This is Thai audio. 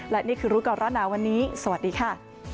และนี่คือรู้ก่อนร้อนหนาวันนี้สวัสดีค่ะ